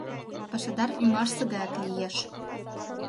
Пашадар ӱмашсе гаяк лиеш.